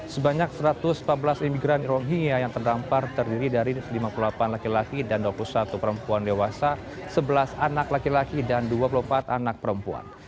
sebanyak satu ratus empat belas imigran rohingya yang terdampar terdiri dari lima puluh delapan laki laki dan dua puluh satu perempuan dewasa sebelas anak laki laki dan dua puluh empat anak perempuan